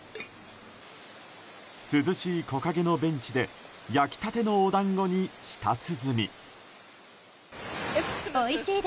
涼しい木陰のベンチで焼きたてのお団子に舌鼓。